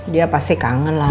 dia pasti kangen lah